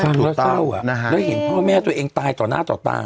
และหยุดการที่เราเห็นพ่อแม่ตัวเองตายต่อหน้าตอตา